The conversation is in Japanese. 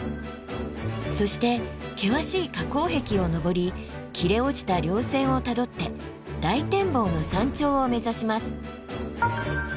そして険しい火口壁を登り切れ落ちた稜線をたどって大展望の山頂を目指します。